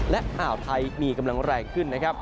และอ่าวไทยมีกำลังแรงขึ้นนะครับ